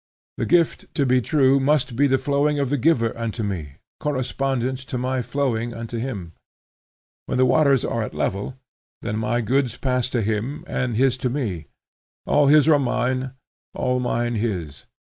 The gift, to be true, must be the flowing of the giver unto me, correspondent to my flowing unto him. When the waters are at level, then my goods pass to him, and his to me. All his are mine, all mine his.